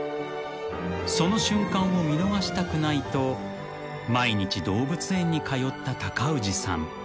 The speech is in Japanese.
［その瞬間を見逃したくないと毎日動物園に通った高氏さん］